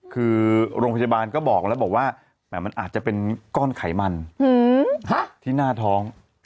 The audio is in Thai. คือโรงพยาบาลก็บอกแล้วบอกว่ามันอาจจะเป็นก้อนไขมันที่หน้าท้อง